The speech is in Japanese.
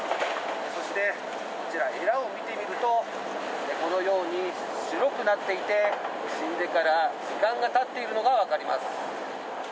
そして、こちら、えらを見てみると、このように白くなっていて、死んでから時間がたっているのが分かります。